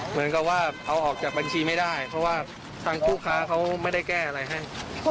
เหมือนกับว่าเอาออกจากบัญชีไม่ได้เพราะว่าทางคู่ค้าเขาไม่ได้แก้อะไรให้